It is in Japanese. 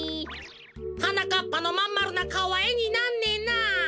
はなかっぱのまんまるなかおはえになんねえな。